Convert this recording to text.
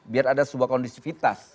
biar ada sebuah kondisivitas